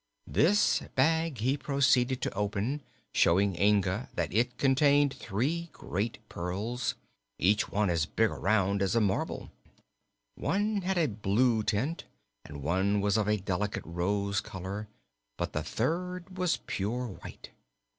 This bag he proceeded to open, showing Inga that it contained three great pearls, each one as big around as a marble. One had a blue tint and one was of a delicate rose color, but the third was pure white.